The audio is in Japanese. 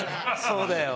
そうだよ。